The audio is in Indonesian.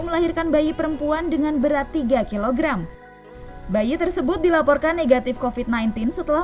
melahirkan bayi perempuan dengan berat tiga kg bayi tersebut dilaporkan negatif covid sembilan belas setelah